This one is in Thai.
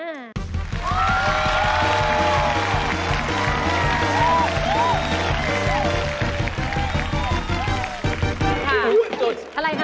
อะไรนะ